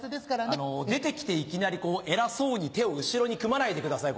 あの出て来ていきなり偉そうに手を後ろに組まないでください。